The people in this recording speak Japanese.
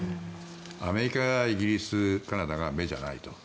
アメリカ、イギリスカナダがメジャーじゃないと。